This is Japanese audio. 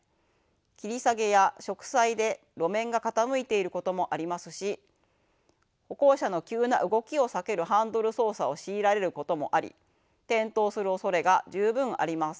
切り下げや植栽で路面が傾いていることもありますし歩行者の急な動きを避けるハンドル操作を強いられることもあり転倒するおそれが十分あります。